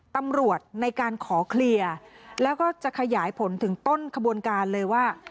ตำรวจในการขอเคลียร์แล้วก็จะขยายผลถึงต้นขบวนการเลยว่า